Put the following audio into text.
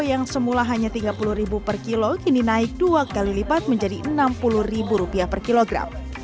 yang semula hanya rp tiga puluh per kilo kini naik dua kali lipat menjadi rp enam puluh per kilogram